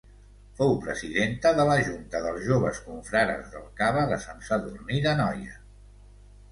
Fou presidenta de la Junta dels Joves Confrares del Cava de Sant Sadurní d'Anoia.